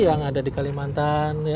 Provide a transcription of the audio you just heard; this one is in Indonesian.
yang ada di kalimantan